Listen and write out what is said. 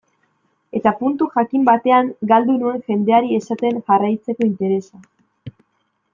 Eta puntu jakin batean galdu nuen jendeari esaten jarraitzeko interesa.